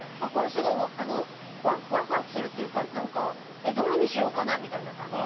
すごい、ワクワクするというかどれにしようかみたいな感じ。